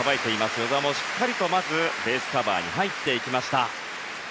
與座もしっかりとまずベースカバーに入っていきました。